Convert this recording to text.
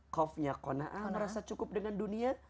kofnya kona'ah merasa cukup dengan dunia